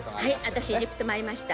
私エジプトもありました。